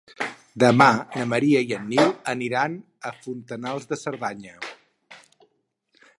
Demà na Maria i en Nil aniran a Fontanals de Cerdanya.